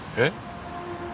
えっ？